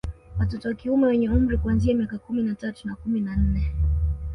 Watoto wa kiume wenye umri kuanzia miaka kumi na tatu na kumi na nne